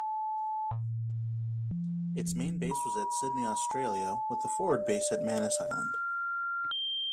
Its main base was at Sydney, Australia, with a forward base at Manus Island.